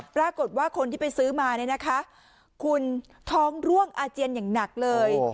ปรากฏว่าคนที่ไปซื้อมาเนี่ยนะคะคุณท้องร่วงอาเจียนอย่างหนักเลย